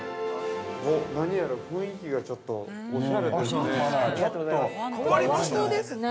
◆何やら雰囲気がちょっとおしゃれですね。